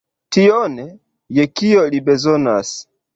Tion, je kio li bezonas.